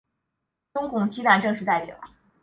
中共七大正式代表。